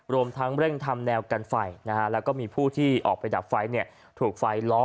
รวมทั้งเร่งทำแนวกันไฟนะฮะแล้วก็มีผู้ที่ออกไปดับไฟถูกไฟล้อ